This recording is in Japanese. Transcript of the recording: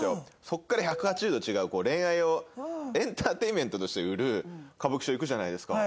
そこから１８０度違う恋愛をエンターテインメントとして売る歌舞伎町行くじゃないですか。